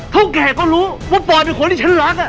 เท่าแก่ก็รู้ว่าปอยเป็นคนที่ฉันรัก